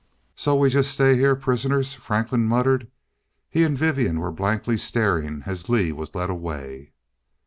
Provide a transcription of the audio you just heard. "So we just stay here, prisoners," Franklin muttered. He and Vivian were blankly staring as Lee was led away.